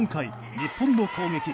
日本の攻撃。